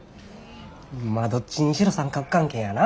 まあどっちにしろ三角関係やな。